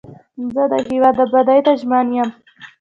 زه د هیواد ابادۍ ته ژمن یم.